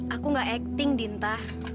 aku tidak acting dinta